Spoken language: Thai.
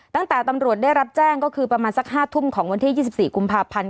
ตั้งแต่ตำรวจได้รับแจ้งก็คือประมาณสัก๕ทุ่มของวันที่๒๔กุมภาพันธ์